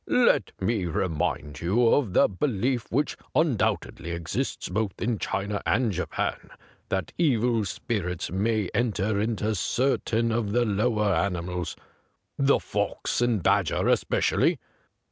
Let me remind you of the belief which undoubtedly exists both in China and Japan, that evil spirits may enter into certain of the lower animals, the fox and badger especi ally.